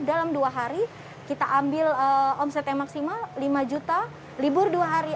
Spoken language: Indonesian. dalam dua hari kita ambil omset yang maksimal lima juta libur dua hari